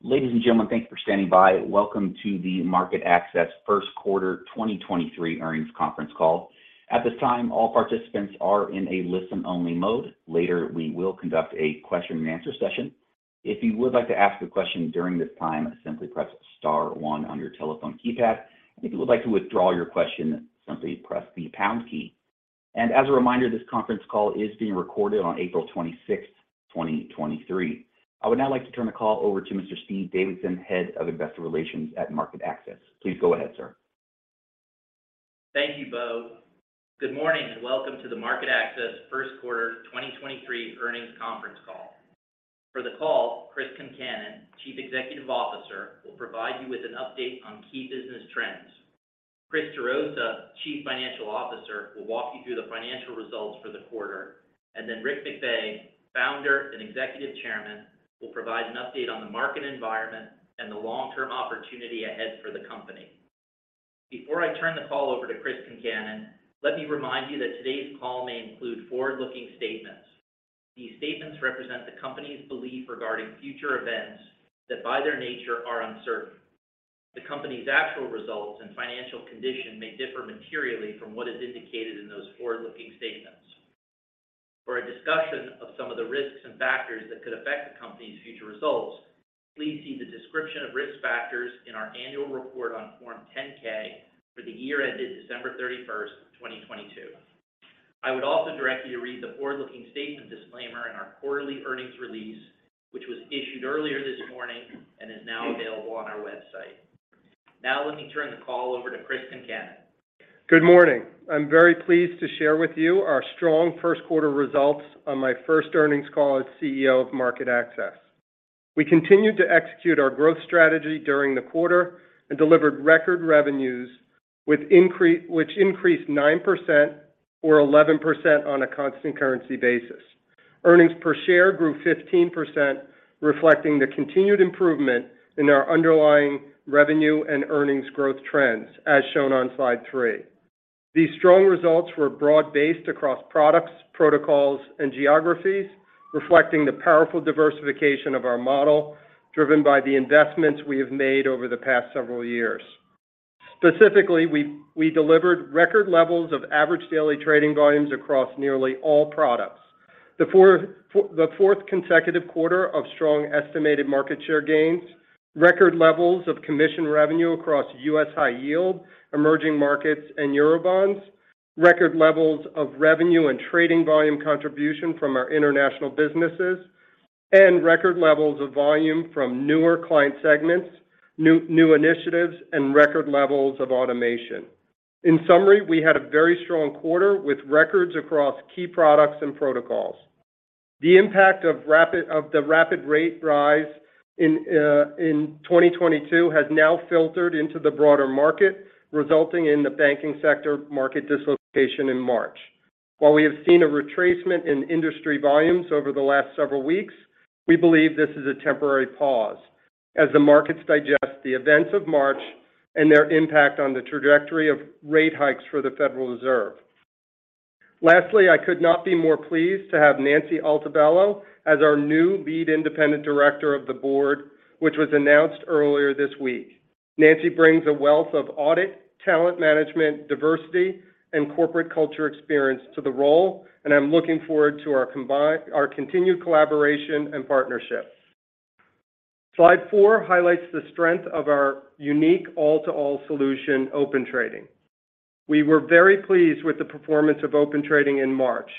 Ladies and gentlemen, thank you for standing by. Welcome to the MarketAxess First Quarter 2023 Earnings Conference Call. At this time, all participants are in a listen-only mode. Later, we will conduct a question-and-answer session. If you would like to ask a question during this time, simply press star one on your telephone keypad. If you would like to withdraw your question, simply press the pound key. As a reminder, this conference call is being recorded on April 26, 2023. I would now like to turn the call over to Mr. Stephen Davidson, Head of Investor Relations at MarketAxess. Please go ahead, sir. Thank you, Beau. Good morning and welcome to the MarketAxess First Quarter 2023 Earnings Conference Call. For the call, Chris Concannon, Chief Executive Officer, will provide you with an update on key business trends. Chris Gerosa, Chief Financial Officer, will walk you through the financial results for the quarter. Then Rick McVey, Founder and Executive Chairman, will provide an update on the market environment and the long-term opportunity ahead for the company. Before I turn the call over to Chris Concannon, let me remind you that today's call may include forward-looking statements. These statements represent the company's belief regarding future events that by their nature are uncertain. The company's actual results and financial condition may differ materially from what is indicated in those forward-looking statements. For a discussion of some of the risks and factors that could affect the company's future results, please see the description of risk factors in our annual report on Form 10-K for the year ended December 31, 2022. I would also direct you to read the forward-looking statement disclaimer in our quarterly earnings release, which was issued earlier this morning and is now available on our website. Let me turn the call over to Chris Concannon. Good morning. I'm very pleased to share with you our strong first quarter results on my first earnings call as CEO of MarketAxess. We continued to execute our growth strategy during the quarter and delivered record revenues which increased 9% or 11% on a constant currency basis. Earnings per share grew 15%, reflecting the continued improvement in our underlying revenue and earnings growth trends, as shown on slide three. These strong results were broad-based across products, protocols, and geographies, reflecting the powerful diversification of our model, driven by the investments we have made over the past several years. Specifically, we delivered record levels of average daily trading volumes across nearly all products. The fourth consecutive quarter of strong estimated market share gains, record levels of commission revenue across U.S. high yield, emerging markets, and Eurobonds, record levels of revenue and trading volume contribution from our international businesses, and record levels of volume from newer client segments, new initiatives, and record levels of automation. In summary, we had a very strong quarter with records across key products and protocols. The impact of the rapid rate rise in 2022 has now filtered into the broader market, resulting in the banking sector market dislocation in March. While we have seen a retracement in industry volumes over the last several weeks, we believe this is a temporary pause as the markets digest the events of March and their impact on the trajectory of rate hikes for the Federal Reserve. Lastly, I could not be more pleased to have Nancy Altobello as our new Lead Independent Director of the board, which was announced earlier this week. Nancy brings a wealth of audit, talent management, diversity, and corporate culture experience to the role, and I'm looking forward to our continued collaboration and partnership. Slide four highlights the strength of our unique all-to-all solution, Open Trading. We were very pleased with the performance of Open Trading in March.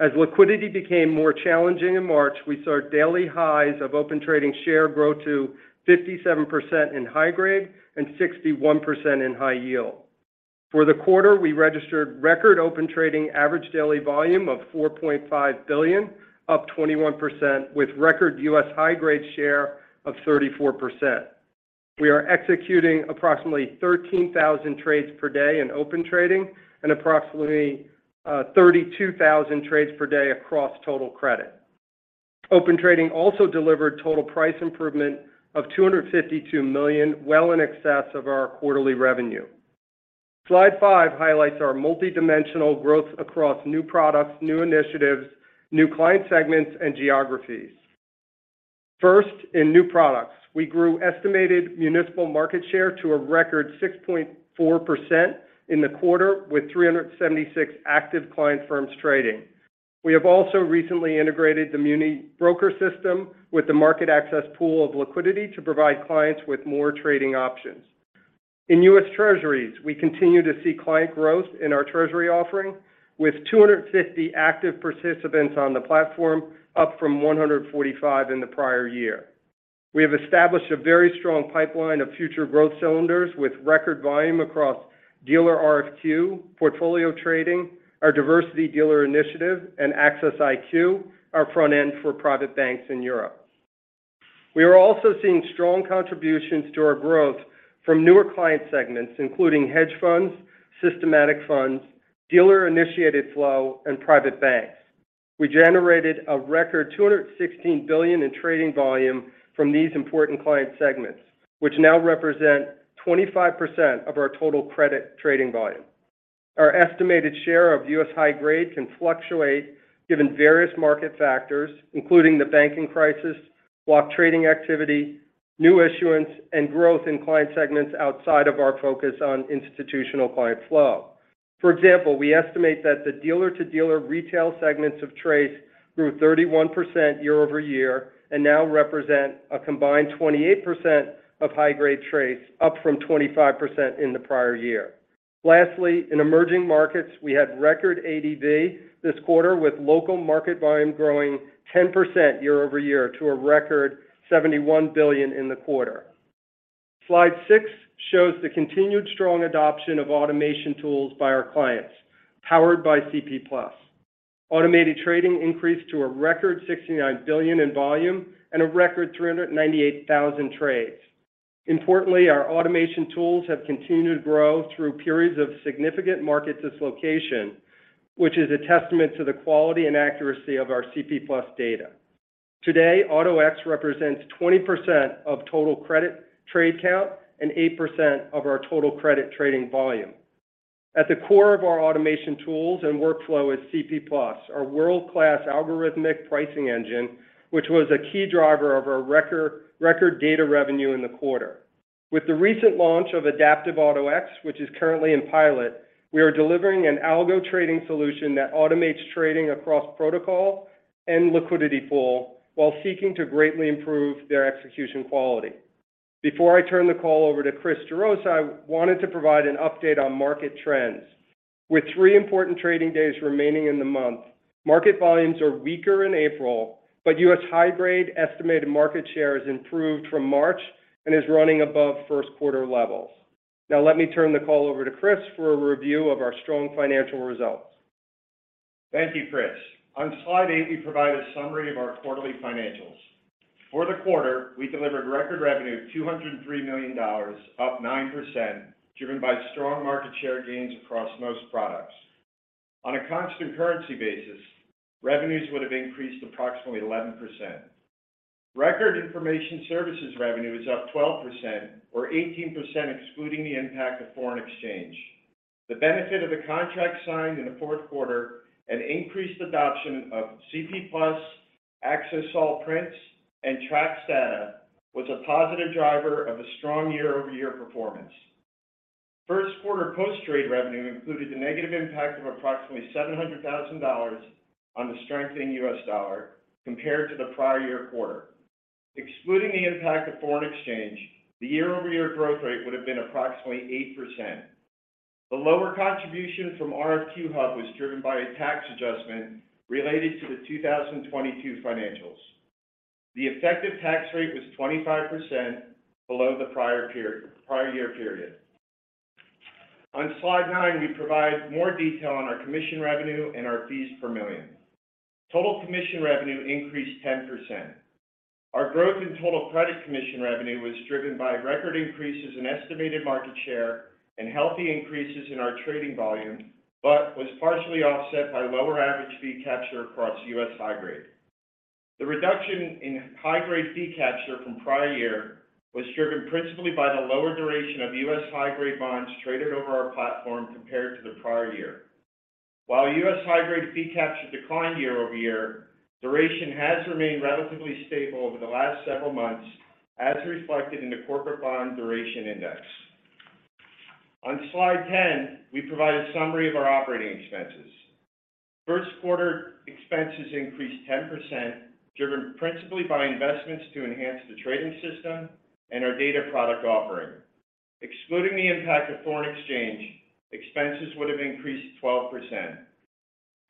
As liquidity became more challenging in March, we saw daily highs of Open Trading share grow to 57% in high grade and 61% in high yield. For the quarter, we registered record Open Trading average daily volume of $4.5 billion, up 21% with record U.S. high grade share of 34%. We are executing approximately 13,000 trades per day in Open Trading and approximately 32,000 trades per day across total credit. Open Trading also delivered total price improvement of $252 million, well in excess of our quarterly revenue. Slide five highlights our multidimensional growth across new products, new initiatives, new client segments, and geographies. First, in new products, we grew estimated municipal market share to a record 6.4% in the quarter with 376 active client firms trading. We have also recently integrated the MuniBrokers system with the MarketAxess pool of liquidity to provide clients with more trading options. In U.S. Treasuries, we continue to see client growth in our Treasury offering with 250 active participants on the platform, up from 145 in the prior year. We have established a very strong pipeline of future growth cylinders with record volume across dealer RFQ, portfolio trading, our Diversity Dealer Initiative, and Axess IQ, our front end for private banks in Europe. We are also seeing strong contributions to our growth from newer client segments, including hedge funds, systematic funds, dealer-initiated flow, and private banks. We generated a record $216 billion in trading volume from these important client segments, which now represent 25% of our total credit trading volume. Our estimated share of U.S. high-grade can fluctuate given various market factors, including the banking crisis, block trading activity, new issuance, and growth in client segments outside of our focus on institutional client flow. For example, we estimate that the dealer-to-dealer retail segments of trades grew 31% year-over-year and now represent a combined 28% of high-grade trades, up from 25% in the prior year. Lastly, in emerging markets, we had record ADV this quarter, with local market volume growing 10% year-over-year to a record $71 billion in the quarter. Slide six shows the continued strong adoption of automation tools by our clients, powered by CP+. Automated trading increased to a record $69 billion in volume and a record 398,000 trades. Importantly, our automation tools have continued to grow through periods of significant market dislocation, which is a testament to the quality and accuracy of our CP+ data. Today, Auto-X represents 20% of total credit trade count and 8% of our total credit trading volume. At the core of our automation tools and workflow is CP+, our world-class algorithmic pricing engine, which was a key driver of our record data revenue in the quarter. With the recent launch of Adaptive Auto-X, which is currently in pilot, we are delivering an algo trading solution that automates trading across protocol and liquidity pool while seeking to greatly improve their execution quality. Before I turn the call over to Chris Gerosa, I wanted to provide an update on market trends. With three important trading days remaining in the month, market volumes are weaker in April, but U.S. high-grade estimated market share has improved from March and is running above first quarter levels. Let me turn the call over to Chris for a review of our strong financial results. Thank you, Chris. On slide eight, we provide a summary of our quarterly financials. For the quarter, we delivered record revenue of $203 million, up 9%, driven by strong market share gains across most products. On a constant currency basis, revenues would have increased approximately 11%. Record information services revenue is up 12% or 18% excluding the impact of foreign exchange. The benefit of the contract signed in the fourth quarter and increased adoption of CP+, Axess All Prints, and TraX data was a positive driver of a strong year-over-year performance. First quarter post-trade revenue included the negative impact of approximately $700,000 on the strengthening U.S. dollar compared to the prior year quarter. Excluding the impact of foreign exchange, the year-over-year growth rate would have been approximately 8%. The lower contribution from RFQ-hub was driven by a tax adjustment related to the 2022 financials. The effective tax rate was 25% below the prior period, prior year period. On slide nine, we provide more detail on our commission revenue and our fees per million. Total commission revenue increased 10%. Our growth in total credit commission revenue was driven by record increases in estimated market share and healthy increases in our trading volume, but was partially offset by lower average fee capture across U.S. high-grade. The reduction in high-grade fee capture from prior year was driven principally by the lower duration of US high-grade bonds traded over our platform compared to the prior year. While U.S. high-grade fee capture declined year-over-year, duration has remained relatively stable over the last several months, as reflected in the corporate bond duration index. On slide 10, we provide a summary of our operating expenses. First quarter expenses increased 10%, driven principally by investments to enhance the trading system and our data product offering. Excluding the impact of foreign exchange, expenses would have increased 12%.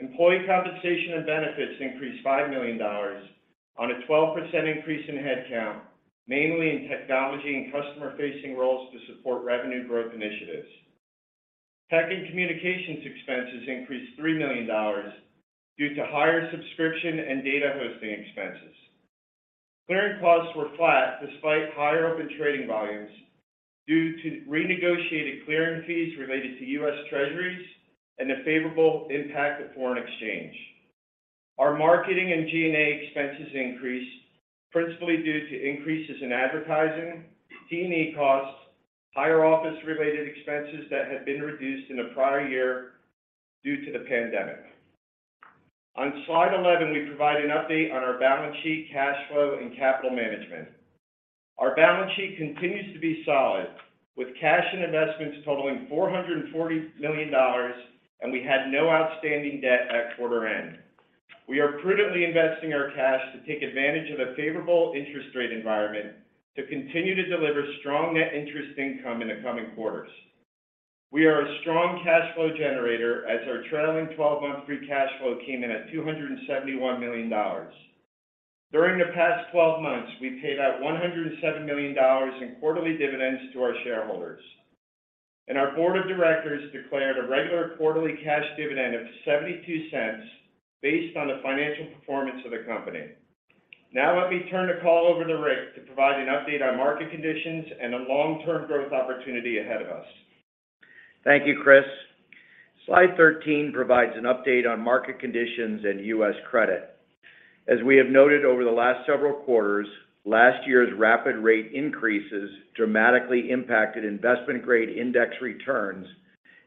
Employee compensation and benefits increased $5 million on a 12% increase in headcount, mainly in technology and customer-facing roles to support revenue growth initiatives. Tech and communications expenses increased $3 million due to higher subscription and data hosting expenses. Clearing costs were flat despite higher Open Trading volumes due to renegotiated clearing fees related to U.S. Treasuries and the favorable impact of foreign exchange. Our marketing and G&A expenses increased principally due to increases in advertising, T&E costs, higher office-related expenses that had been reduced in the prior year due to the pandemic. On slide 11, we provide an update on our balance sheet, cash flow, and capital management. Our balance sheet continues to be solid, with cash and investments totaling $440 million, and we had no outstanding debt at quarter end. We are prudently investing our cash to take advantage of a favorable interest rate environment to continue to deliver strong net interest income in the coming quarters. We are a strong cash flow generator as our trailing 12-month free cash flow came in at $271 million. During the past 12 months, we paid out $107 million in quarterly dividends to our shareholders, and our board of directors declared a regular quarterly cash dividend of $0.72 based on the financial performance of the company. Let me turn the call over to Rick to provide an update on market conditions and the long-term growth opportunity ahead of us. Thank you, Chris. Slide 13 provides an update on market conditions and U.S. credit. As we have noted over the last several quarters, last year's rapid rate increases dramatically impacted investment-grade index returns,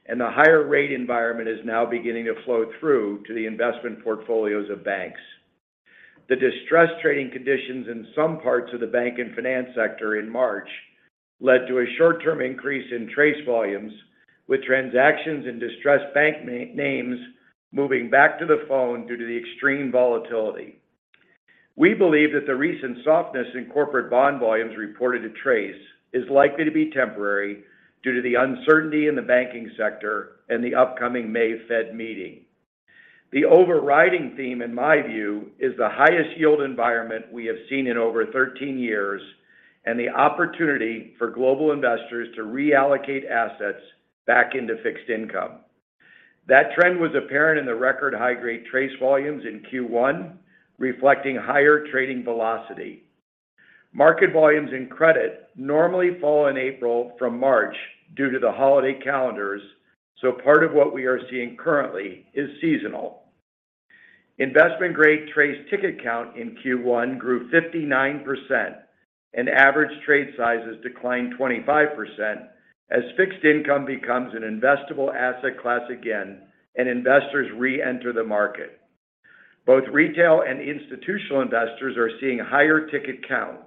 and the higher rate environment is now beginning to flow through to the investment portfolios of banks. The distressed trading conditions in some parts of the bank and finance sector in March led to a short-term increase in TRACE volumes, with transactions in distressed bank names moving back to the phone due to the extreme volatility. We believe that the recent softness in corporate bond volumes reported to TRACE is likely to be temporary due to the uncertainty in the banking sector and the upcoming May Fed meeting. The overriding theme, in my view, is the highest yield environment we have seen in over 13 years and the opportunity for global investors to reallocate assets back into fixed income. That trend was apparent in the record high-grade TRACE volumes in Q1, reflecting higher trading velocity. Market volumes in credit normally fall in April from March due to the holiday calendars. Part of what we are seeing currently is seasonal. Investment-grade TRACE ticket count in Q1 grew 59%, and average trade sizes declined 25% as fixed income becomes an investable asset class again and investors reenter the market. Both retail and institutional investors are seeing higher ticket count,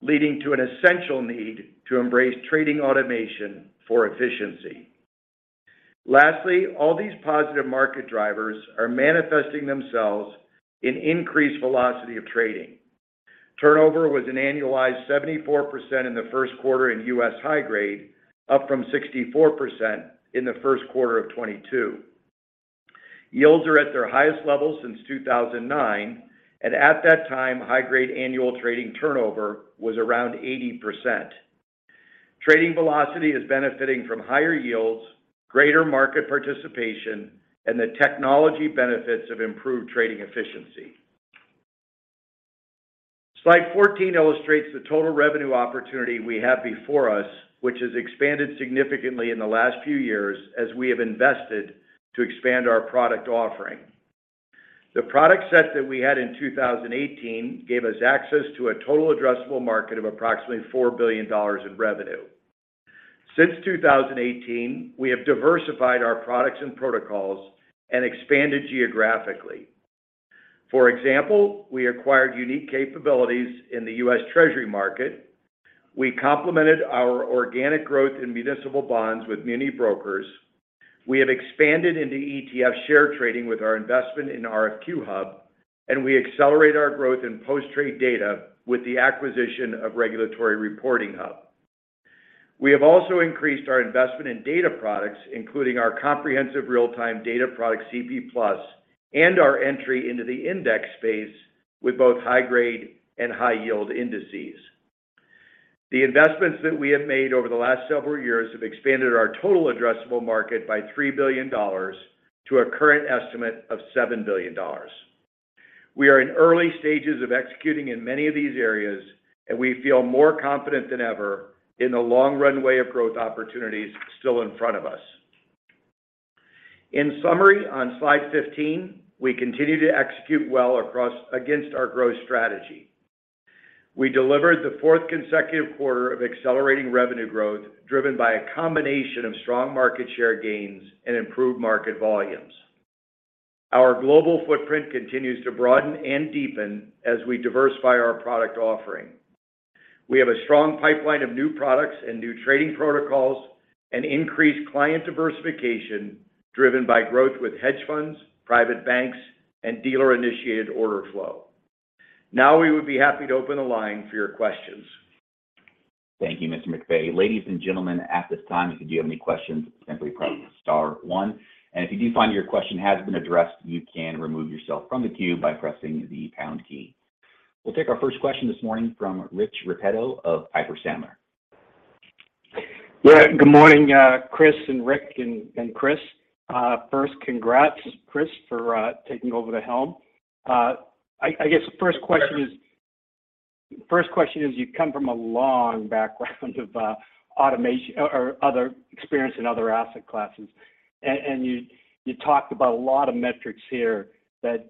leading to an essential need to embrace trading automation for efficiency. Lastly, all these positive market drivers are manifesting themselves in increased velocity of trading. Turnover was an annualized 74% in the first quarter in U.S. high grade, up from 64% in the first quarter of 2022. Yields are at their highest level since 2009. At that time, high-grade annual trading turnover was around 80%. Trading velocity is benefiting from higher yields, greater market participation, and the technology benefits of improved trading efficiency. Slide 14 illustrates the total revenue opportunity we have before us, which has expanded significantly in the last few years as we have invested to expand our product offering. The product set that we had in 2018 gave us access to a total addressable market of approximately $4 billion in revenue. Since 2018, we have diversified our products and protocols and expanded geographically. For example, we acquired unique capabilities in the U.S. Treasury market. We complemented our organic growth in municipal bonds with MuniBrokers. We have expanded into ETF share trading with our investment in RFQ-hub, and we accelerate our growth in post-trade data with the acquisition of Regulatory Reporting Hub. We have also increased our investment in data products, including our comprehensive real-time data product CP+ and our entry into the index space with both high-grade and high-yield indices. The investments that we have made over the last several years have expanded our total addressable market by $3 billion to a current estimate of $7 billion. We are in early stages of executing in many of these areas, and we feel more confident than ever in the long runway of growth opportunities still in front of us. In summary, on slide 15, we continue to execute well against our growth strategy. We delivered the fourth consecutive quarter of accelerating revenue growth, driven by a combination of strong market share gains and improved market volumes. Our global footprint continues to broaden and deepen as we diversify our product offering. We have a strong pipeline of new products and new trading protocols and increased client diversification driven by growth with hedge funds, private banks, and dealer-initiated order flow. Now we would be happy to open the line for your questions. Thank you, Mr. McVey. Ladies and gentlemen, at this time, if you have any questions, simply press star one. If you do find your question has been addressed, you can remove yourself from the queue by pressing the pound key. We'll take our first question this morning from Rich Repetto of Piper Sandler. Yeah. Good morning, Chris and Rick and Chris. First, congrats, Chris, for taking over the helm. I guess the first question is, you come from a long background of experience in other asset classes. And you talked about a lot of metrics here that,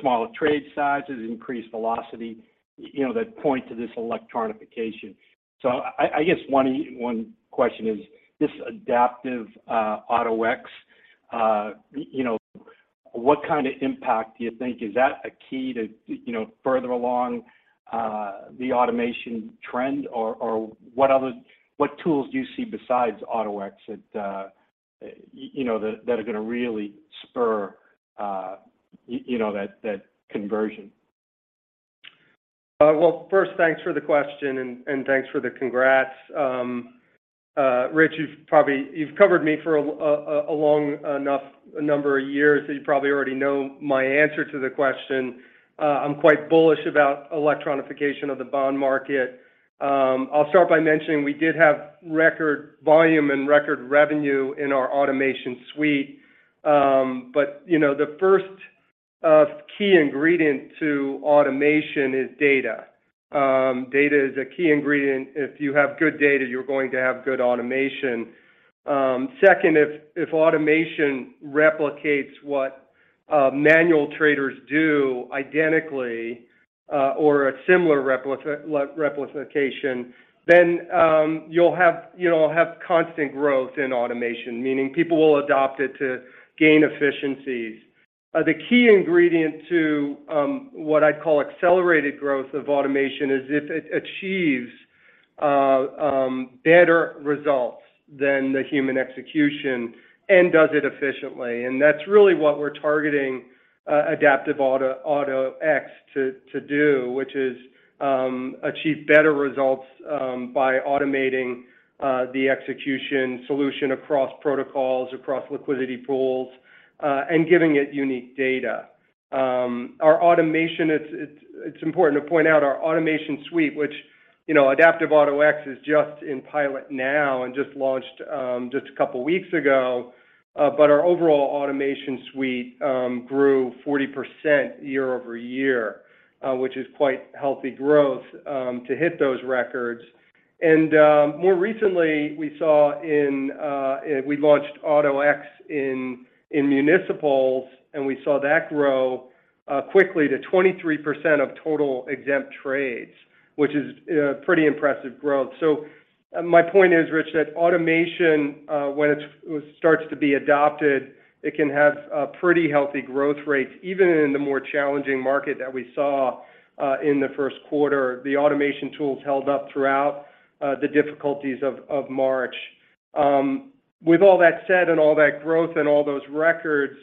smaller trade sizes, increased velocity, you know, that point to this electronification. I guess one question is this Adaptive Auto-X, you know, what kind of impact do you think? Is that a key to, you know, further along the automation trend? Or what tools do you see besides Auto-X that, you know, that are gonna really spur, you know, that conversion? Well, first, thanks for the question and thanks for the congrats. Rich, you've covered me for a long enough number of years that you probably already know my answer to the question. I'm quite bullish about electronification of the bond market. I'll start by mentioning we did have record volume and record revenue in our automation suite. You know, the first, key ingredient to automation is data. Data is a key ingredient. If you have good data, you're going to have good automation. Second, if automation replicates what manual traders do identically, or a similar replication, then, you'll have, you know, constant growth in automation, meaning people will adopt it to gain efficiencies. The key ingredient to what I'd call accelerated growth of automation is if it achieves better results than the human execution and does it efficiently. That's really what we're targeting Adaptive Auto-X to do, which is, achieve better results, by automating the execution solution across protocols, across liquidity pools, and giving it unique data. Our automation, it's important to point out our automation suite, which, you know, Adaptive Auto-X is just in pilot now and just launched a couple weeks ago. Our overall automation suite grew 40% year-over-year, which is quite healthy growth to hit those records. More recently, we saw we launched Auto-X in municipals, and we saw that grow quickly to 23% of total exempt trades, which is pretty impressive growth. My point is, Rich, that automation, when it starts to be adopted, it can have pretty healthy growth rates. Even in the more challenging market that we saw in the first quarter, the automation tools held up throughout the difficulties of March. With all that said and all that growth and all those records,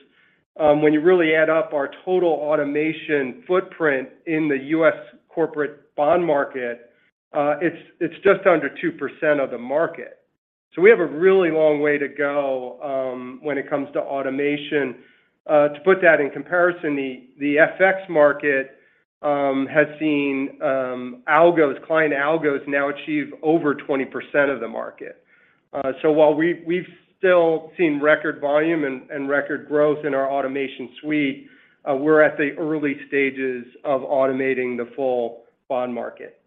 when you really add up our total automation footprint in the U.S. corporate bond market, it's just under 2% of the market. We have a really long way to go, when it comes to automation. To put that in comparison, the FX market has seen algos, client algos now achieve over 20% of the market. While we've still seen record volume and record growth in our automation suite, we're at the early stages of automating the full bond market.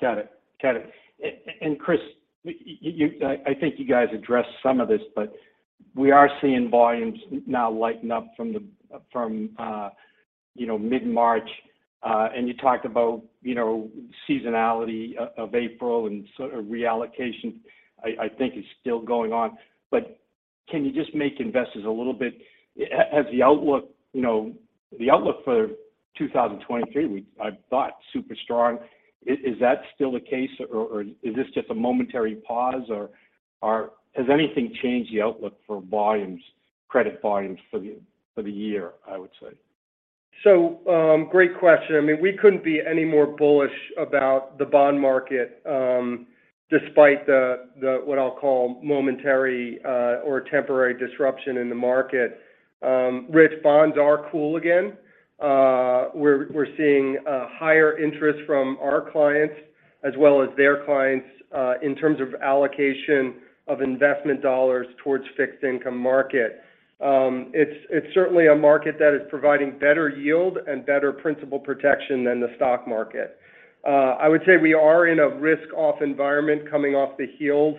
Got it. Got it. Chris, you guys addressed some of this, but we are seeing volumes now lighten up from the, from, you know, mid-March. You talked about, you know, seasonality of April and sort of reallocation I think is still going on. Can you just make investors a little bit. Has the outlook, you know, the outlook for 2023, I thought super strong. Is that still the case or is this just a momentary pause or has anything changed the outlook for volumes, credit volumes for the, for the year, I would say? Great question. I mean, we couldn't be any more bullish about the bond market, despite what I'll call momentary or temporary disruption in the market. Rich, bonds are cool again. We're seeing higher interest from our clients as well as their clients, in terms of allocation of investment dollars towards fixed income market. It's certainly a market that is providing better yield and better principal protection than the stock market. I would say we are in a risk-off environment coming off the heels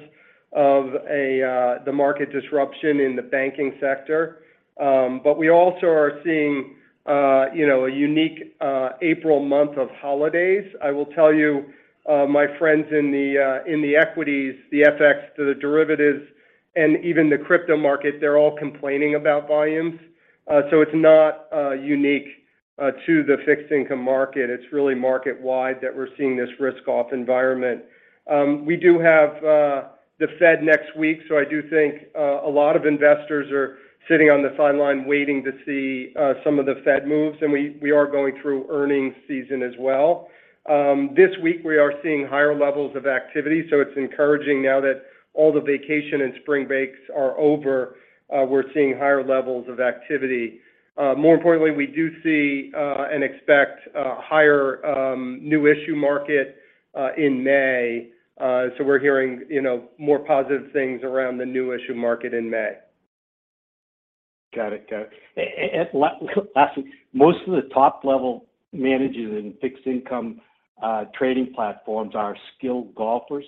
of the market disruption in the banking sector. We also are seeing, you know, a unique April month of holidays. I will tell you, my friends in the equities, the FX, the derivatives, and even the crypto market, they're all complaining about volumes. It's not unique to the fixed income market. It's really market-wide that we're seeing this risk-off environment. We do have the Fed next week, so I do think a lot of investors are sitting on the sideline waiting to see some of the Fed moves, and we are going through earnings season as well. This week, we are seeing higher levels of activity, so it's encouraging now that all the vacation and spring breaks are over, we're seeing higher levels of activity. More importantly, we do see and expect a higher new issue market in May. We're hearing, you know, more positive things around the new issue market in May. Got it. Got it. Lastly, most of the top-level managers in fixed income, trading platforms are skilled golfers.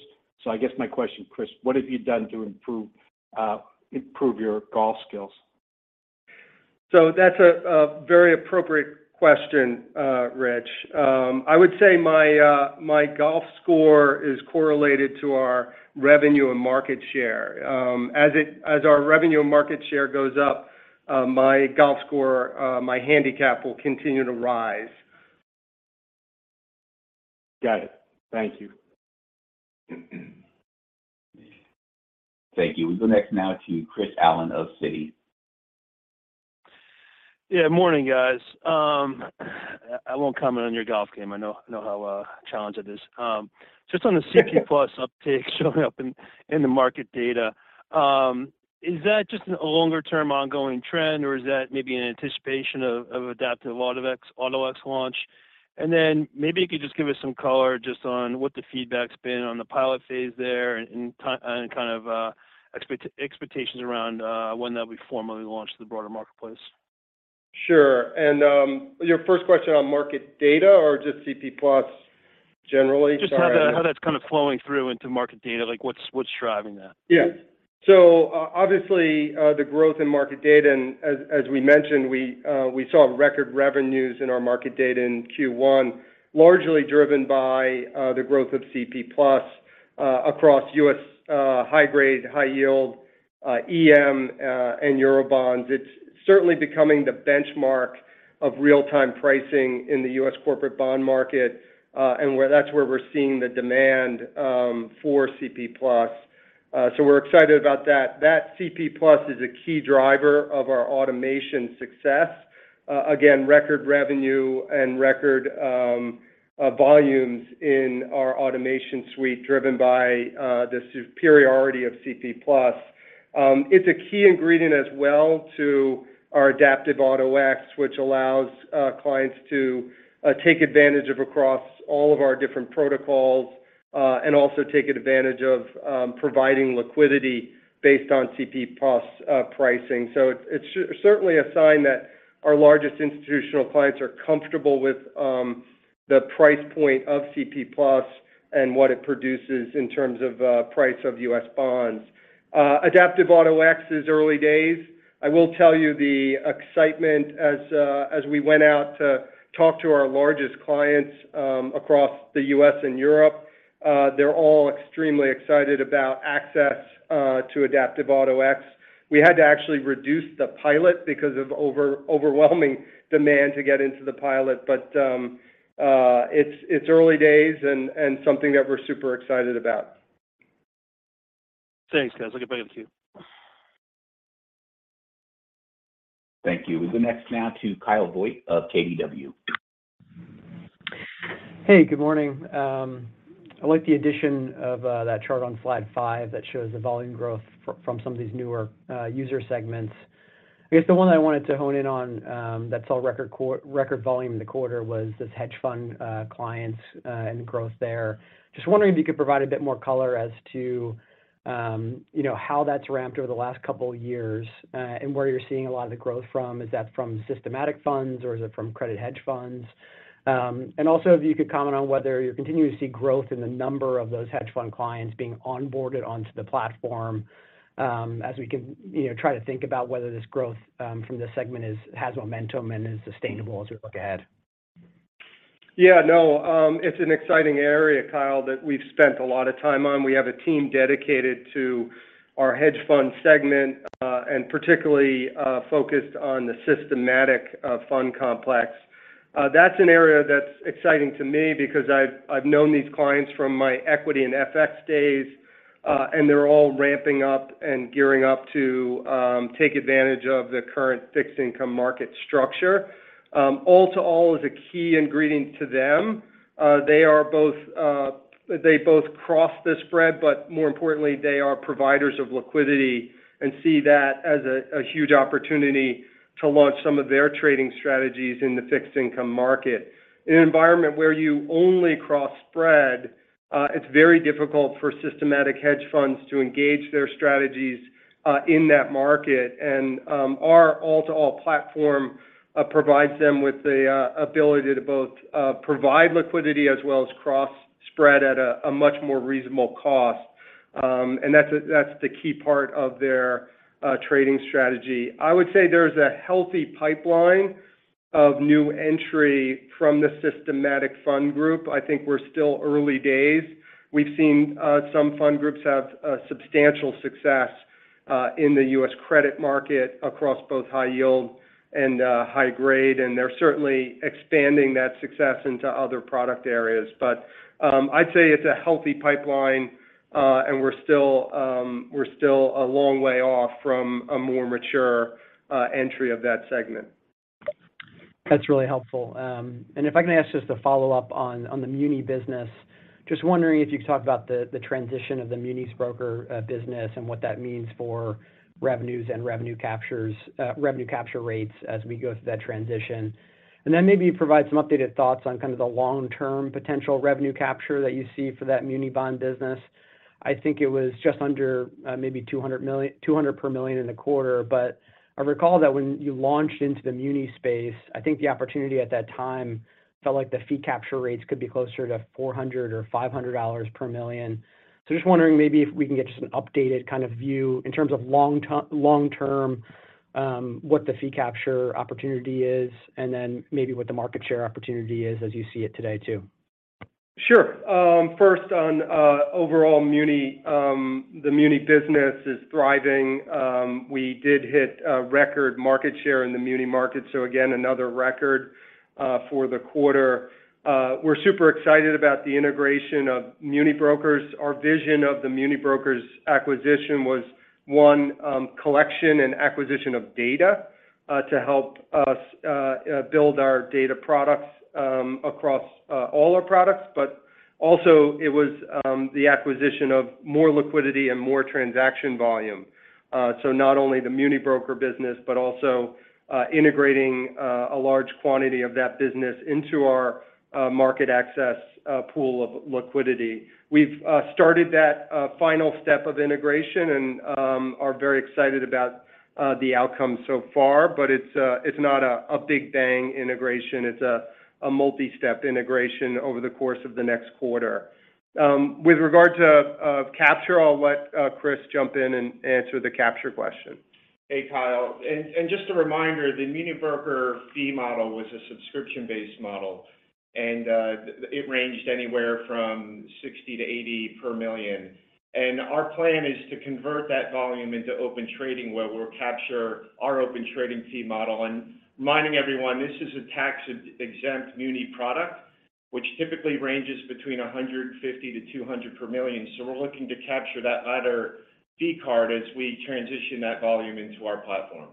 I guess my question, Chris, what have you done to improve your golf skills? That's a very appropriate question, Rich. I would say my golf score is correlated to our revenue and market share. As our revenue and market share goes up, my golf score, my handicap will continue to rise. Got it. Thank you. Thank you. We go next now to Chris Allen of Citi. Morning, guys. I won't comment on your golf game. I know how challenged it is. Just on the CP+ uptake showing up in the market data, is that just a longer-term ongoing trend, or is that maybe an anticipation of Adaptive Auto-X launch? Maybe you could just give us some color just on what the feedback's been on the pilot phase there and kind of expectations around when that'll be formally launched to the broader marketplace? Sure. Your first question on market data or just CP+ generally? Sorry. Just how that, how that's kind of flowing through into market data, like what's driving that? Yeah. Obviously, the growth in market data, and as we mentioned, we saw record revenues in our market data in Q1, largely driven by the growth of CP+ across U.S. high-grade, high-yield EM, and Eurobonds. It's certainly becoming the benchmark of real-time pricing in the U.S. corporate bond market, and that's where we're seeing the demand for CP+. We're excited about that. That CP+ is a key driver of our automation success. Again, record revenue and record volumes in our automation suite driven by the superiority of CP+. It's a key ingredient as well to our Adaptive Auto-X, which allows clients to take advantage of across all of our different protocols, and also take advantage of providing liquidity based on CP+ pricing. It's certainly a sign that our largest institutional clients are comfortable with the price point of CP+ and what it produces in terms of price of U.S. bonds. Adaptive Auto-X is early days. I will tell you the excitement as we went out to talk to our largest clients across the U.S. and Europe, they're all extremely excited about access to Adaptive Auto-X. We had to actually reduce the pilot because of overwhelming demand to get into the pilot. It's early days and something that we're super excited about. Thanks, guys. Looking forward to you. Thank you. We'll go next now to Kyle Voigt of KBW. Hey, good morning. I like the addition of that chart on slide five that shows the volume growth from some of these newer user segments. I guess the one that I wanted to hone in on that saw record volume in the quarter was this hedge fund clients and growth there. Just wondering if you could provide a bit more color as to, you know, how that's ramped over the last couple years and where you're seeing a lot of the growth from. Is that from systematic funds, or is it from credit hedge funds? Also if you could comment on whether you're continuing to see growth in the number of those hedge fund clients being onboarded onto the platform, as we can, you know, try to think about whether this growth from this segment has momentum and is sustainable as we look ahead. Yeah, no, it's an exciting area, Kyle, that we've spent a lot of time on. We have a team dedicated to our hedge fund segment, and particularly, focused on the systematic fund complex. That's an area that's exciting to me because I've known these clients from my equity and FX days, and they're all ramping up and gearing up to take advantage of the current fixed income market structure. All-to-all is a key ingredient to them. They both cross the spread, but more importantly, they are providers of liquidity and see that as a huge opportunity to launch some of their trading strategies in the fixed income market. In an environment where you only cross-spread, it's very difficult for systematic hedge funds to engage their strategies in that market. Our all-to-all platform provides them with the ability to both provide liquidity as well as cross-spread at a much more reasonable cost. That's the key part of their trading strategy. I would say there's a healthy pipeline of new entry from the systematic fund group. I think we're still early days. We've seen some fund groups have substantial success in the U.S. credit market across both high yield and high grade, and they're certainly expanding that success into other product areas. I'd say it's a healthy pipeline, and we're still a long way off from a more mature entry of that segment. That's really helpful. If I can ask just a follow-up on the muni business. Just wondering if you could talk about the transition of the MuniBrokers business and what that means for revenues and revenue capture rates as we go through that transition. Maybe provide some updated thoughts on kind of the long-term potential revenue capture that you see for that muni bond business. I think it was just under, maybe 200 per million in the quarter. I recall that when you launched into the muni space, I think the opportunity at that time felt like the fee capture rates could be closer to $400 or $500 per million. Just wondering maybe if we can get just an updated kind of view in terms of long term, what the fee capture opportunity is, and then maybe what the market share opportunity is as you see it today too. Sure. First on overall muni, the muni business is thriving. We did hit a record market share in the muni market, so again, another record for the quarter. We're super excited about the integration of MuniBrokers. Our vision of the MuniBrokers acquisition was, one, collection and acquisition of data, to help us build our data products across all our products. Also, it was the acquisition of more liquidity and more transaction volume. Not only the MuniBrokers business, but also integrating a large quantity of that business into our MarketAxess pool of liquidity. We've started that final step of integration and are very excited about the outcome so far. It's not a big bang integration. It's a multi-step integration over the course of the next quarter. With regard to capture, I'll let Chris jump in and answer the capture question. Hey, Kyle. Just a reminder, the MuniBrokers fee model was a subscription-based model, and it ranged anywhere from $60 million-$80 per million. Our plan is to convert that volume into Open Trading where we'll capture our Open Trading fee model. Reminding everyone, this is a tax-exempt muni product, which typically ranges between $150-$200 per million. We're looking to capture that higher fee card as we transition that volume into our platform.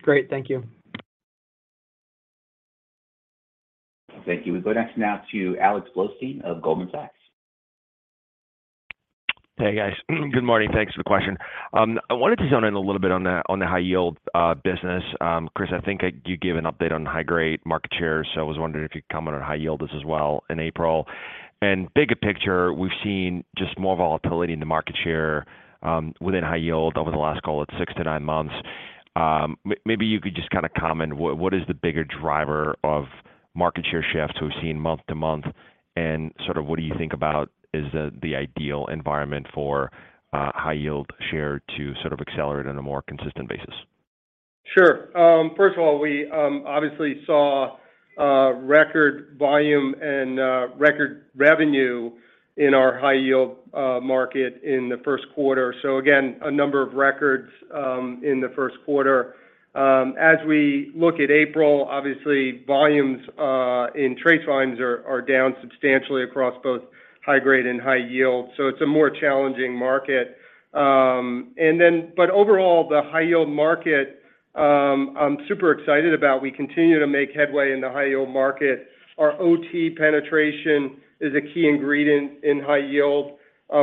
Great. Thank you. Thank you. We go next now to Alex Blostein of Goldman Sachs. Hey, guys. Good morning. Thanks for the question. I wanted to zone in a little bit on the high yield business. Chris, I think you gave an update on the high-grade market share, so I was wondering if you could comment on high yield as well in April. Bigger picture, we've seen just more volatility in the market share within high yield over the last, call it, six to nine months. Maybe you could just kind of comment what is the bigger driver of market share shifts we've seen month to month? Sort of what do you think about is the ideal environment for high yield share to sort of accelerate on a more consistent basis? Sure. First of all, we obviously saw record volume and record revenue in our high yield market in the first quarter. Again, a number of records in the first quarter. As we look at April, obviously volumes in TRACE volumes are down substantially across both high grade and high yield. It's a more challenging market. Overall, the high yield market, I'm super excited about. We continue to make headway in the high yield market. Our OT penetration is a key ingredient in high yield.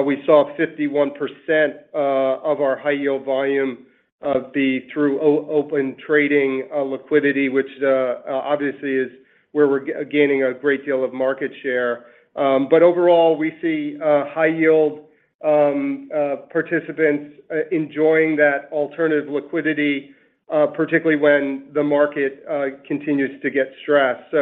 We saw 51% of our high yield volume be through Open Trading liquidity, which obviously is where we're gaining a great deal of market share. Overall, we see high yield participants enjoying that alternative liquidity, particularly when the market continues to get stressed.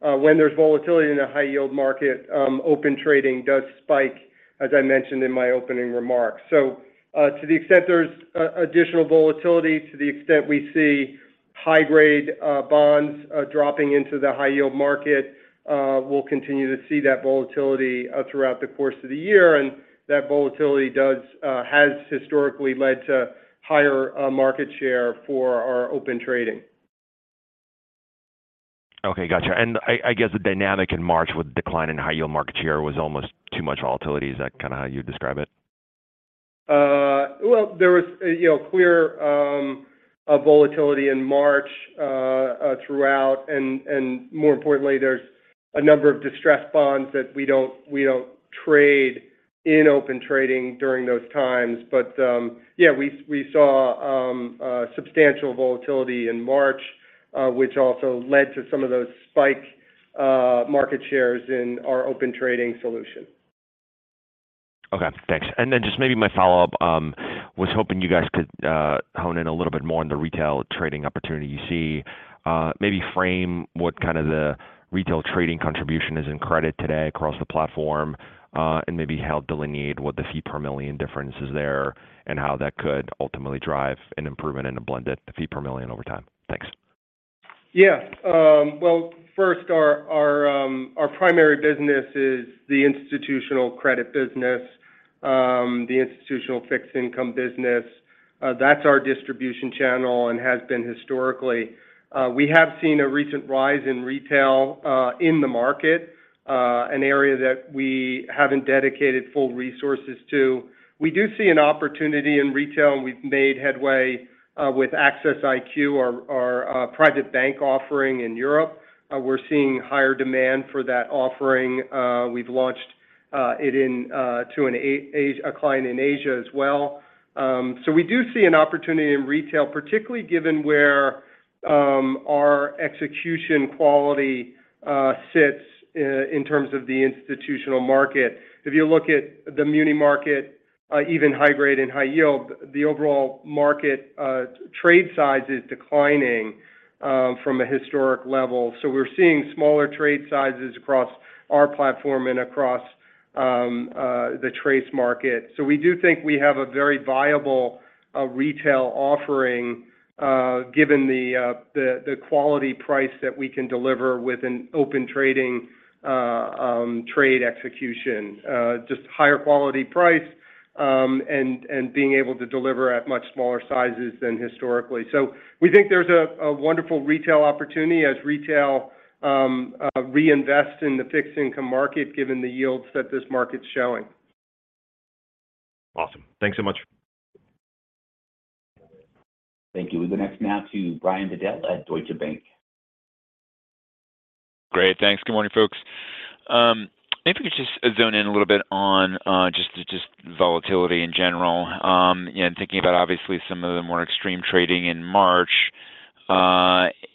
When there's volatility in a high-yield market, Open Trading does spike, as I mentioned in my opening remarks. To the extent there's additional volatility, to the extent we see high grade bonds dropping into the high-yield market, we'll continue to see that volatility throughout the course of the year. That volatility has historically led to higher market share for our Open Trading. Okay. Gotcha. I guess the dynamic in March with the decline in high-yield market share was almost too much volatility. Is that kind of how you'd describe it? Well, there was, you know, clear volatility in March throughout. More importantly, there's a number of distressed bonds that we don't trade in Open Trading during those times. Yeah, we saw substantial volatility in March, which also led to some of those spike market shares in our Open Trading solution. Okay. Thanks. Just maybe my follow-up, was hoping you guys could hone in a little bit more on the retail trading opportunity you see. Maybe frame what kind of the retail trading contribution is in credit today across the platform, and maybe help delineate what the fee per million difference is there and how that could ultimately drive an improvement in the blended fee per million over time? Thanks. Yeah. well, first, our primary business is the institutional credit business, the institutional fixed income business. That's our distribution channel and has been historically. We have seen a recent rise in retail in the market, an area that we haven't dedicated full resources to. We do see an opportunity in retail, and we've made headway with Axess IQ, our private bank offering in Europe. We're seeing higher demand for that offering. We've launched it to a client in Asia as well. We do see an opportunity in retail, particularly given where our execution quality sits in terms of the institutional market. If you look at the muni market, even high grade and high yield, the overall market, trade size is declining from a historic level. We're seeing smaller trade sizes across our platform and across the trade market. We do think we have a very viable retail offering, given the quality price that we can deliver with an Open Trading trade execution. Just higher quality price, and being able to deliver at much smaller sizes than historically. We think there's a wonderful retail opportunity as retail reinvests in the fixed income market given the yields that this market's showing. Awesome. Thanks so much. Thank you. We go next now to Brian Bedell at Deutsche Bank. Great. Thanks. Good morning, folks. Maybe we could just zone in a little bit on just volatility in general, thinking about obviously some of the more extreme trading in March.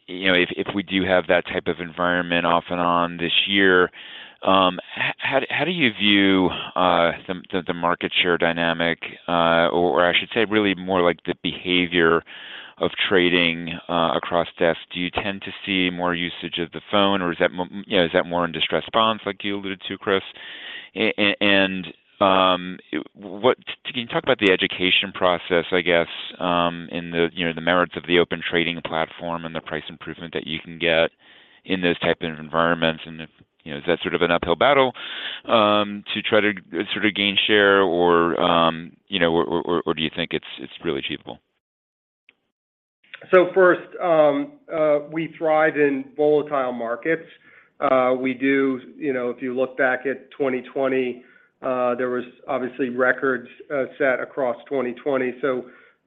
You know, if we do have that type of environment off and on this year, how do you view the market share dynamic? Or I should say really more like the behavior of trading across desks. Do you tend to see more usage of the phone, or is that you know, is that more in distressed bonds like you alluded to, Chris? And, can you talk about the education process, I guess, in the you know, the merits of the Open Trading platform and the price improvement that you can get in those type of environments? If, you know, is that sort of an uphill battle, to try to, sort of, gain share or, you know, or do you think it's really achievable? First, we thrive in volatile markets. You know, if you look back at 2020, there was obviously records set across 2020.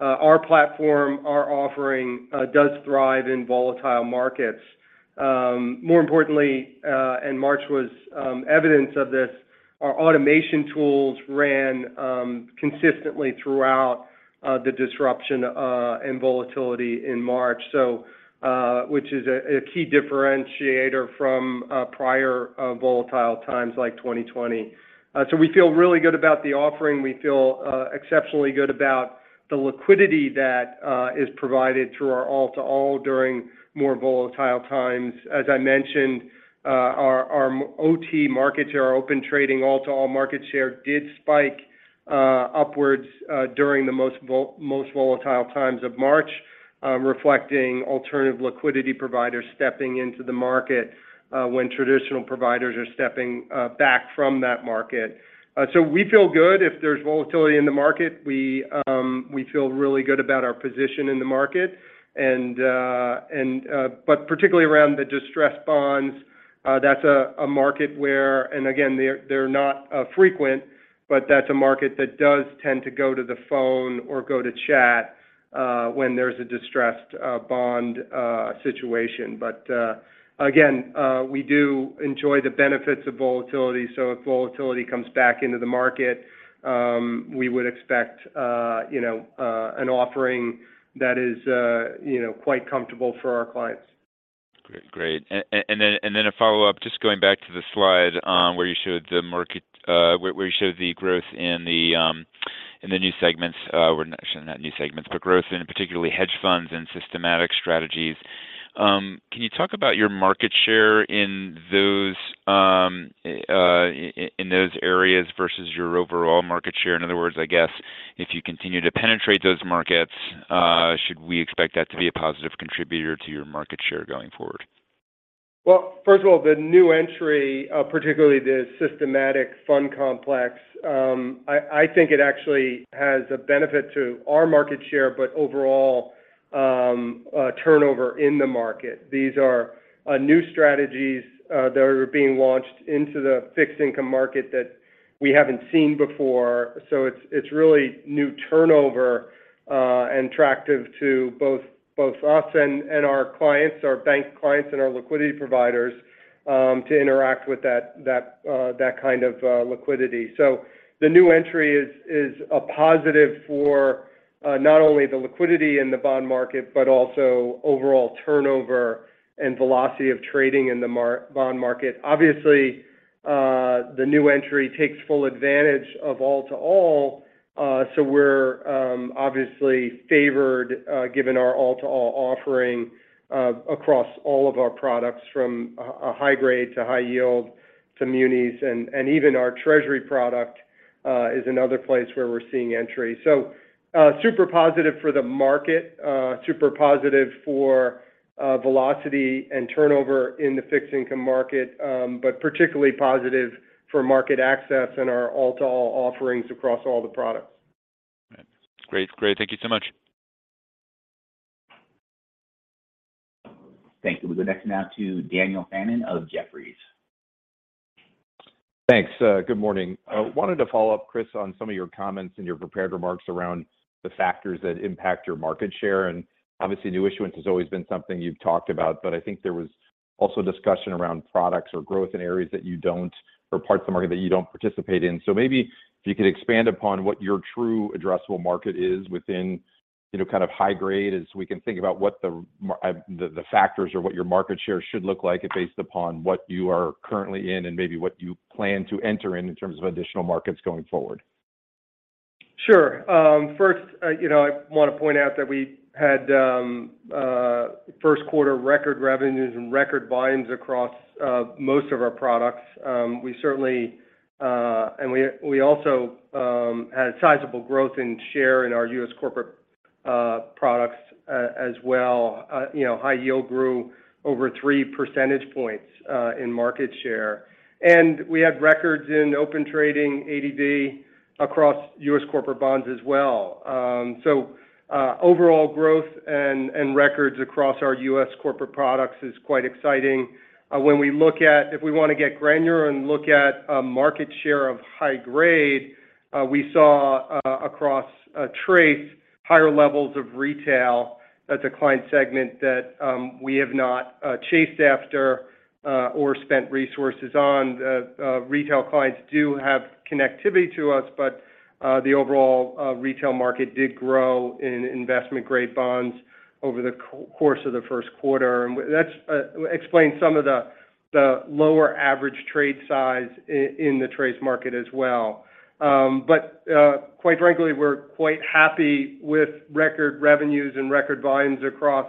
Our platform, our offering, does thrive in volatile markets. More importantly, and March was evidence of this, our automation tools ran consistently throughout the disruption and volatility in March, which is a key differentiator from prior volatile times like 2020. We feel really good about the offering. We feel exceptionally good about the liquidity that is provided through our all-to-all during more volatile times. As I mentioned, our OT market share, our Open Trading all-to-all market share did spike upwards during the most volatile times of March, reflecting alternative liquidity providers stepping into the market when traditional providers are stepping back from that market. We feel good if there's volatility in the market. We feel really good about our position in the market and particularly around the distressed bonds. That's a market where. Again, they're not frequent, but that's a market that does tend to go to the phone or go to chat when there's a distressed bond situation. Again, we do enjoy the benefits of volatility, so if volatility comes back into the market, we would expect, you know, an offering that is, you know, quite comfortable for our clients. Great. Great. A follow-up, just going back to the slide, where you showed the market, where you showed the growth in the in the new segments. Actually not new segments, but growth in particularly hedge funds and systematic strategies. Can you talk about your market share in those in those areas versus your overall market share? In other words, I guess, if you continue to penetrate those markets, should we expect that to be a positive contributor to your market share going forward? Well, first of all, the new entry, particularly the systematic fund complex, I think it actually has a benefit to our market share, but overall, turnover in the market. These are new strategies that are being launched into the fixed income market that we haven't seen before. It's really new turnover and attractive to both us and our clients, our bank clients and our liquidity providers, to interact with that kind of liquidity. The new entry is a positive for not only the liquidity in the bond market, but also overall turnover and velocity of trading in the bond market. Obviously, the new entry takes full advantage of all-to-all, so we're obviously favored, given our all-to-all offering, across all of our products, from high grade to high yield to munis. Even our treasury product, is another place where we're seeing entry. Super positive for the market, super positive for velocity and turnover in the fixed income market, particularly positive for MarketAxess and our all-to-all offerings across all the products. Great. Great. Thank you so much. Thank you. We go next now to Daniel Fannon of Jefferies. Thanks. Good morning. I wanted to follow up, Chris, on some of your comments in your prepared remarks around the factors that impact your market share. Obviously, new issuance has always been something you've talked about, but I think there was also discussion around products or growth in areas that you don't or parts of the market that you don't participate in. Maybe if you could expand upon what your true addressable market is within, you know, kind of high grade as we can think about what the factors or what your market share should look like based upon what you are currently in and maybe what you plan to enter in in terms of additional markets going forward. Sure. I want to point out that we had first quarter record revenues and record volumes across most of our products. We certainly, and we also had sizable growth in share in our U.S. corporate products as well. You know, high yield grew over three percentage points in market share. And we had records in Open Trading ADV across U.S. corporate bonds as well. So, overall growth and records across our U.S. corporate products is quite exciting. When we look at, if we want to get granular and look at market share of high grade, we saw across trades, higher levels of retail. That's a client segment that we have not chased after or spent resources on The retail clients do have connectivity to us, but the overall retail market did grow in investment-grade bonds over the course of the first quarter. That's explains some of the lower average trade size in the trades market as well. Quite frankly, we're quite happy with record revenues and record volumes across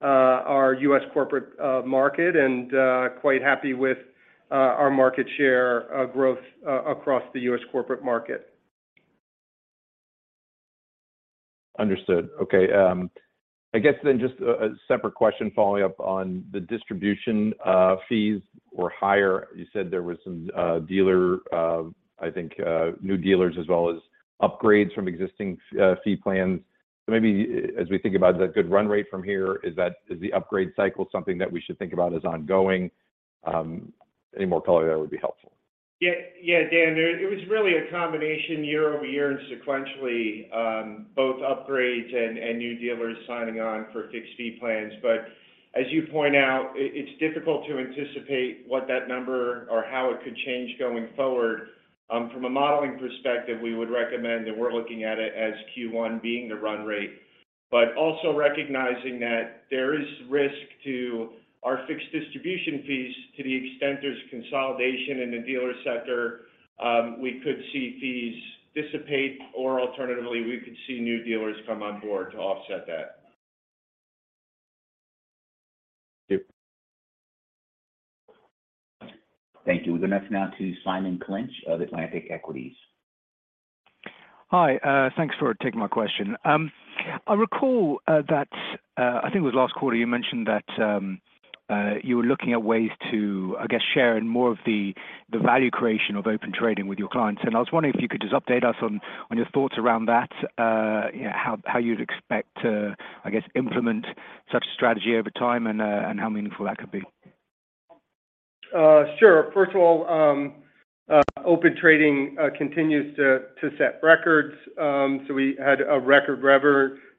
our U.S. corporate market and quite happy with our market share growth across the U.S. corporate market. Understood. Okay. Just a separate question following up on the distribution fees were higher. You said there was some dealer, I think, new dealers as well as upgrades from existing fee plans. Maybe as we think about the good run rate from here, is the upgrade cycle something that we should think about as ongoing? Any more color there would be helpful. Yeah, Dan, it was really a combination year-over-year and sequentially, both upgrades and new dealers signing on for fixed fee plans. As you point out, it's difficult to anticipate what that number or how it could change going forward. From a modeling perspective, we would recommend that we're looking at it as Q1 being the run rate, but also recognizing that there is risk to our fixed distribution fees to the extent there's consolidation in the dealer sector, we could see fees dissipate, or alternatively, we could see new dealers come on board to offset that. Thank you. Thank you. We'll go next now to Simon Clinch of Atlantic Equities. Hi, thanks for taking my question. I recall that I think it was last quarter, you mentioned that you were looking at ways to, I guess, share in more of the value creation of Open Trading with your clients. I was wondering if you could just update us on your thoughts around that, you know, how you'd expect to, I guess, implement such a strategy over time and how meaningful that could be. Sure. First of all, Open Trading continues to set records. We had a record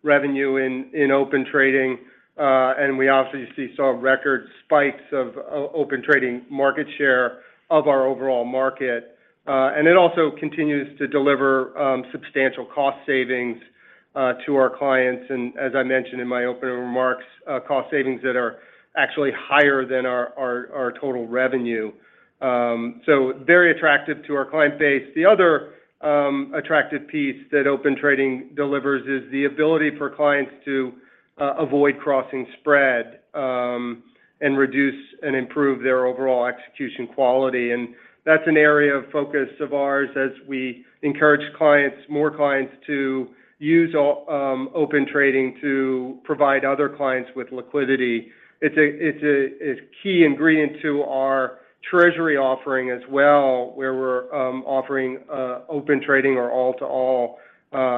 revenue in Open Trading. We obviously saw record spikes of Open Trading market share of our overall market. It also continues to deliver substantial cost savings to our clients, and as I mentioned in my opening remarks, cost savings that are actually higher than our total revenue. Very attractive to our client base. The other attractive piece that Open Trading delivers is the ability for clients to avoid crossing spread and reduce and improve their overall execution quality. That's an area of focus of ours as we encourage clients, more clients to use Open Trading to provide other clients with liquidity. It's a key ingredient to our Treasury offering as well, where we're offering Open Trading or all-to-all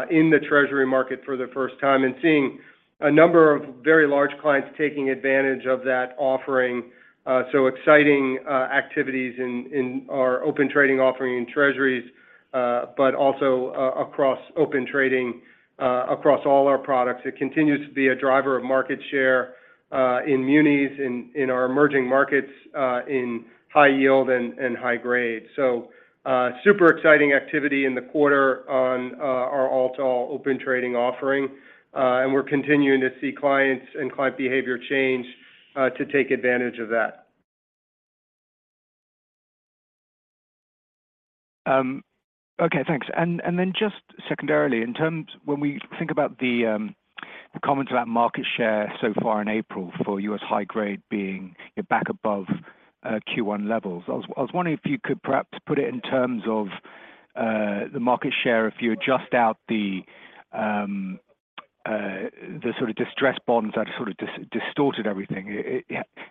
in the Treasury market for the first time and seeing a number of very large clients taking advantage of that offering. Exciting activities in our Open Trading offering in Treasuries, but also across Open Trading across all our products. It continues to be a driver of market share in munis, in our emerging markets, in high yield and high grade. Super exciting activity in the quarter on our all-to-all Open Trading offering. And we're continuing to see clients and client behavior change to take advantage of that. Okay, thanks. Just secondarily, in terms when we think about the comments about market share so far in April for U.S. high grade being back above Q1 levels, I was wondering if you could perhaps put it in terms of the market share if you adjust out the sort of distressed bonds that sort of distorted everything.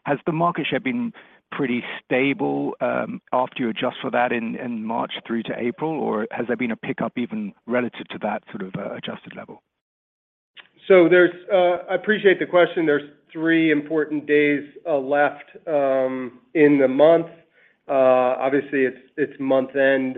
Has the market share been pretty stable, after you adjust for that in March through to April, or has there been a pickup even relative to that sort of adjusted level? I appreciate the question. There's three important days left in the month. Obviously it's month-end,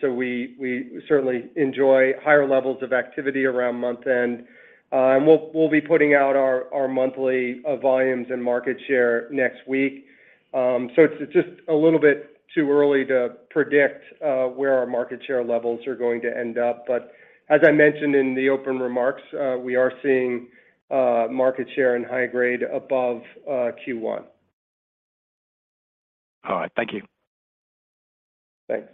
so we certainly enjoy higher levels of activity around month-end. We'll be putting out our monthly volumes and market share next week. It's just a little bit too early to predict where our market share levels are going to end up. As I mentioned in the open remarks, we are seeing market share in high grade above Q1. All right. Thank you. Thanks.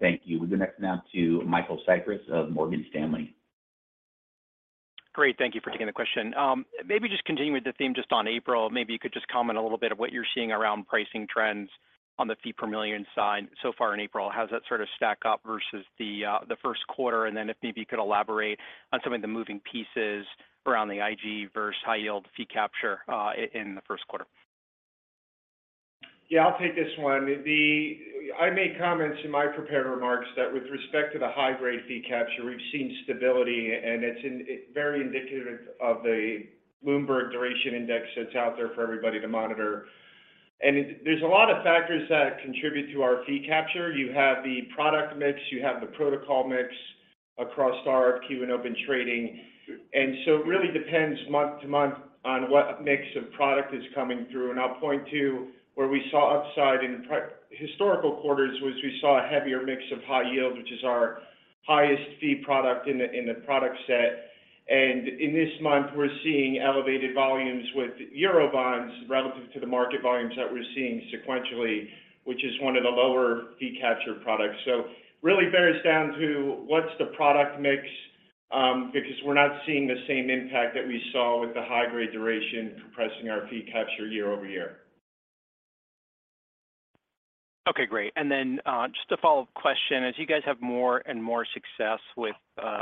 Thank you. We'll go next now to Michael Cyprys of Morgan Stanley. Great. Thank you for taking the question. Maybe just continuing with the theme just on April, maybe you could just comment a little bit of what you're seeing around pricing trends on the fee per million side so far in April. How does that sort of stack up versus the first quarter? Then if maybe you could elaborate on some of the moving pieces around the IG versus high yield fee capture, in the first quarter. Yeah, I'll take this one. I made comments in my prepared remarks that with respect to the high-grade fee capture, we've seen stability, and it's very indicative of the Bloomberg duration index that's out there for everybody to monitor. There's a lot of factors that contribute to our fee capture. You have the product mix, you have the protocol mix across RFQ and Open Trading. It really depends month-to-month on what mix of product is coming through. I'll point to where we saw upside in historical quarters was we saw a heavier mix of high yield, which is our highest fee product in the product set. In this month, we're seeing elevated volumes with Eurobonds relative to the market volumes that we're seeing sequentially, which is one of the lower fee capture products. Really bears down to what's the product mix, because we're not seeing the same impact that we saw with the high grade duration compressing our fee capture year-over-year. Okay, great. Then, just a follow-up question. As you guys have more and more success with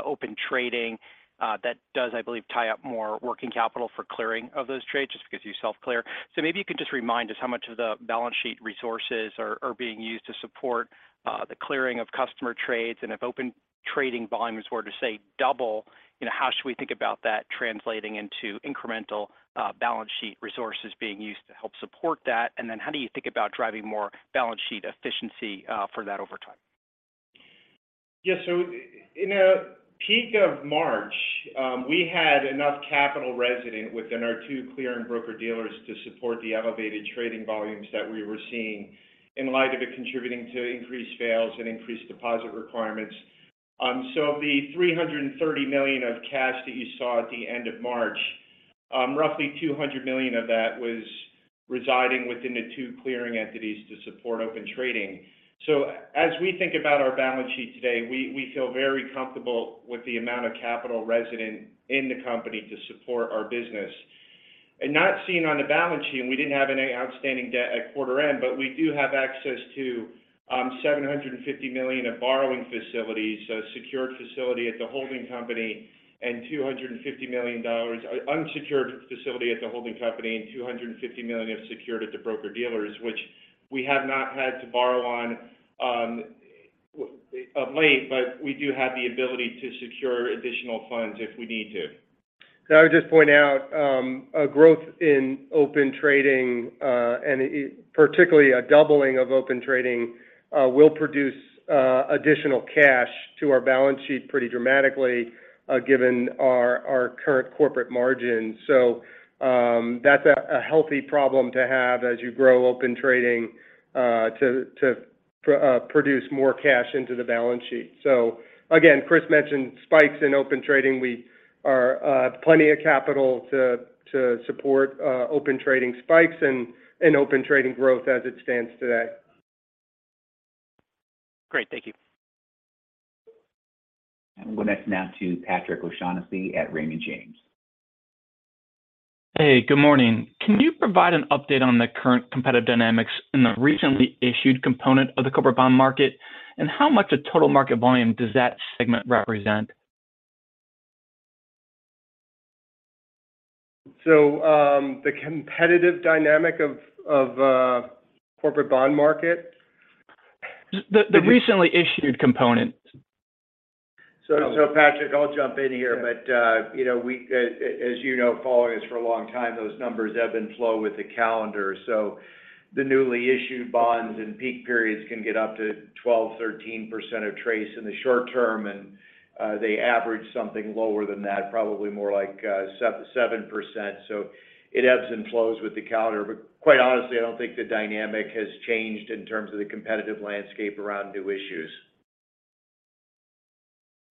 Open Trading, that does, I believe, tie up more working capital for clearing of those trades just because you self-clear. Maybe you can just remind us how much of the balance sheet resources are being used to support the clearing of customer trades. If Open Trading volumes were to, say, double, you know, how should we think about that translating into incremental balance sheet resources being used to help support that? Then how do you think about driving more balance sheet efficiency for that over time? In the peak of March, we had enough capital resident within our two clearing broker-dealers to support the elevated trading volumes that we were seeing in light of it contributing to increased fails and increased deposit requirements. The $330 million of cash that you saw at the end of March, roughly $200 million of that was residing within the two clearing entities to support Open Trading. As we think about our balance sheet today, we feel very comfortable with the amount of capital resident in the company to support our business. Not seen on the balance sheet. We didn't have any outstanding debt at quarter end. We do have access to $750 million of borrowing facilities, a secured facility at the holding company, a $250 million unsecured facility at the holding company, and $250 million of secured at the broker-dealers, which we have not had to borrow on of late. We do have the ability to secure additional funds if we need to. I would just point out, a growth in Open Trading, and particularly a doubling of Open Trading, will produce additional cash to our balance sheet pretty dramatically, given our current corporate margin. That's a healthy problem to have as you grow Open Trading, to produce more cash into the balance sheet. Again, Chris mentioned spikes in Open Trading. Plenty of capital to support Open Trading spikes and Open Trading growth as it stands today. Great. Thank you. We'll go next now to Patrick O'Shaughnessy at Raymond James. Hey, good morning. Can you provide an update on the current competitive dynamics in the recently issued component of the corporate bond market? How much of total market volume does that segment represent? The competitive dynamic of corporate bond market? The recently issued component. Patrick, I'll jump in here. You know, as you know, following this for a long time, those numbers ebb and flow with the calendar. The newly issued bonds in peak periods can get up to 12%, 13% of TRACE in the short term, and they average something lower than that, probably more like 7%. It ebbs and flows with the calendar. Quite honestly, I don't think the dynamic has changed in terms of the competitive landscape around new issues.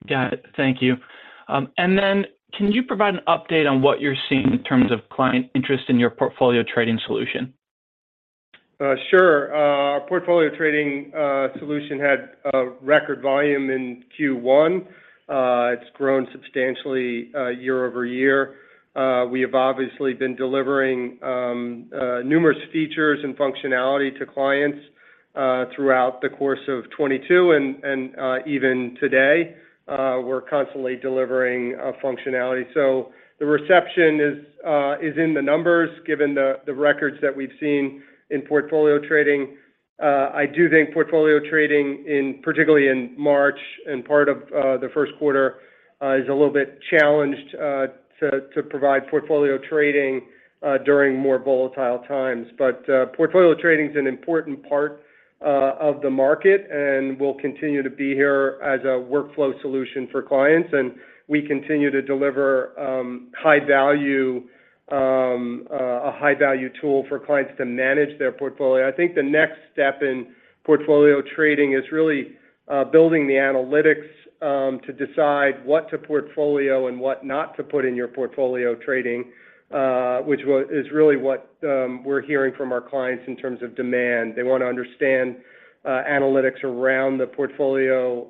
Got it. Thank you. Can you provide an update on what you're seeing in terms of client interest in your portfolio trading solution? Sure. Our portfolio trading solution had a record volume in Q1. It's grown substantially year-over-year. We have obviously been delivering numerous features and functionality to clients throughout the course of 2022 and, even today, we're constantly delivering functionality. The reception is in the numbers, given the records that we've seen in portfolio trading. I do think portfolio trading, particularly in March and part of the first quarter, is a little bit challenged to provide portfolio trading during more volatile times. Portfolio trading is an important part of the market and will continue to be here as a workflow solution for clients. We continue to deliver high value, a high value tool for clients to manage their portfolio. I think the next step in portfolio trading is really building the analytics to decide what to portfolio and what not to put in your portfolio trading, which is really what we're hearing from our clients in terms of demand. They want to understand analytics around the portfolio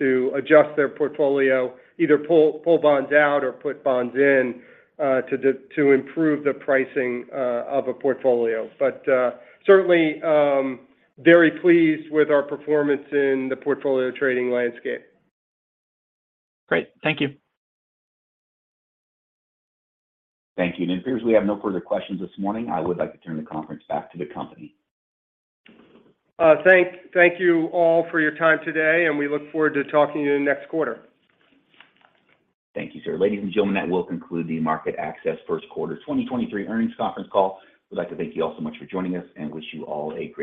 to adjust their portfolio, either pull bonds out or put bonds in to improve the pricing of a portfolio. Certainly, very pleased with our performance in the portfolio trading landscape. Great. Thank you. Thank you. It appears we have no further questions this morning. I would like to turn the conference back to the company. Thank you all for your time today. We look forward to talking to you next quarter. Thank you, sir. Ladies and gentlemen, that will conclude the MarketAxess First Quarter 2023 Earnings Conference Call. We'd like to thank you all so much for joining us and wish you all a great day.